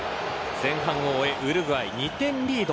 前半を終えウルグアイ２点リード。